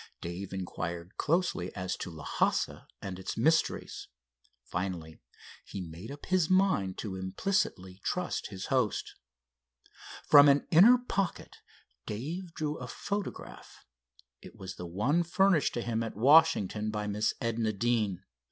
Dave inquired closely as to Lhassa and its mysteries. Finally he made up his mind to implicitly trust his host. From an inner pocket Dave drew a photograph. It was the one furnished to him at Washington by Miss Edna Deane.